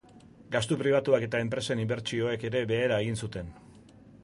Gastu pribatuak eta enpresen inbertsioek ere behera egin zuten.